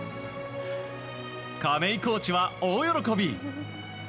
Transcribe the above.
亀井コーチは大喜び。